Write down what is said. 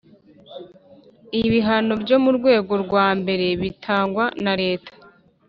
Ibihano byo mu rwego rwa mbere bitangwa na leta